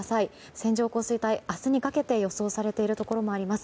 線状降水帯、明日にかけて予想されているところもあります。